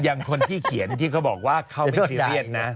อย่างคนที่เขียนที่เขาบอกว่าเข้าไปซีเรียสนะ